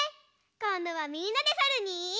こんどはみんなでさるに。